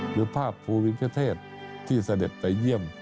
หรือภาพภูมิประเทศที่เสด็จไปเยี่ยม